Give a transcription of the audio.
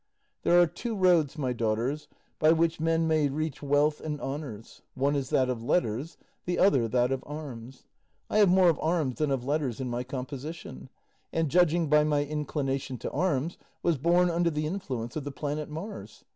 There are two roads, my daughters, by which men may reach wealth and honours; one is that of letters, the other that of arms. I have more of arms than of letters in my composition, and, judging by my inclination to arms, was born under the influence of the planet Mars.